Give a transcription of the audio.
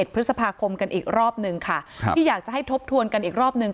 พฤษภาคมกันอีกรอบหนึ่งค่ะที่อยากจะให้ทบทวนกันอีกรอบหนึ่ง